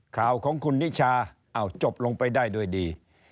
ข่าวของคุณนิชาอ้าวจบลงไปได้ด้วยดี